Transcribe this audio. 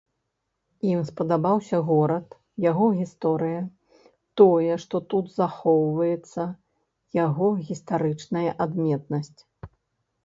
Ім спадабаўся горад, яго гісторыя, тое, што тут захоўваецца яго гістарычная адметнасць.